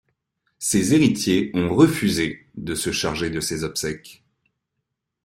Ses héritiers ont refusé de se charger de ses obsèques.